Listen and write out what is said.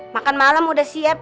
makan malam udah siap